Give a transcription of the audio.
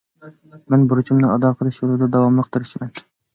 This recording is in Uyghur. مەن بۇرچۇمنى ئادا قىلىش يولىدا داۋاملىق تىرىشىمەن.